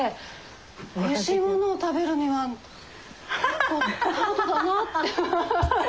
おいしいものを食べるには結構ハードだなあって。